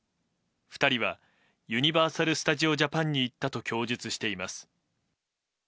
２人はユニバーサル・スタジオ・ジャパンに行ったと供述しています。